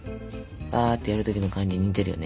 バーッってやる時の感じに似てるよね。